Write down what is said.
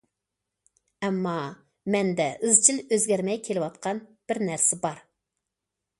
ئەمما، مەندە ئىزچىل ئۆزگەرمەي كېلىۋاتقان بىر نەرسە بار.